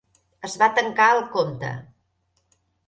Es va tancar el compte.